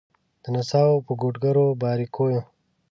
د نڅاوو په کوډګرو باریکېو